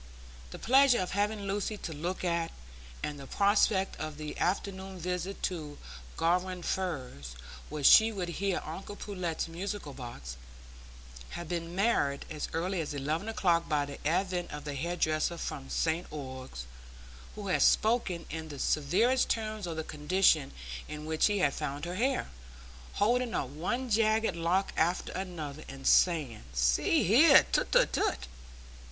The pleasure of having Lucy to look at, and the prospect of the afternoon visit to Garum Firs, where she would hear uncle Pullet's musical box, had been marred as early as eleven o'clock by the advent of the hair dresser from St Ogg's, who had spoken in the severest terms of the condition in which he had found her hair, holding up one jagged lock after another and saying, "See here! tut, tut, tut!"